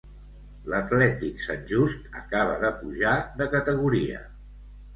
L'atlètic Sant Just acaba de pujar de categoria.